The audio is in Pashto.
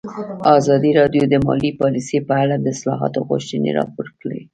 ازادي راډیو د مالي پالیسي په اړه د اصلاحاتو غوښتنې راپور کړې.